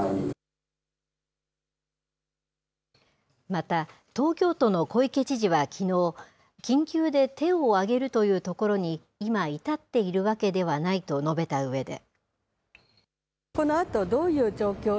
また、東京都の小池知事はきのう、緊急で手を挙げるというところに今至っているわけではないと述べたうえで。